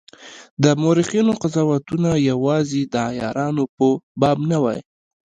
د مورخینو قضاوتونه یوازي د عیارانو په باب نه وای.